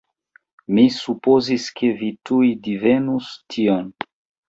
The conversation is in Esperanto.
Mi supozis, ke vi tuj divenus tion.